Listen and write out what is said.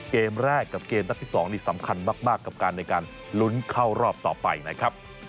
เกมแรกกับเกมนัดที่๒นี่สำคัญมากกับการในการลุ้นเข้ารอบต่อไปนะครับ